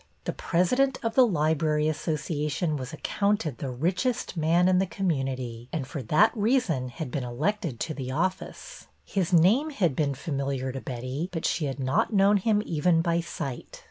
The president of the Library Associa tion was accounted the richest man in the com munity, and for that reason had been elected to the office. His name had been familiar to Betty, but she had not known him even by sight.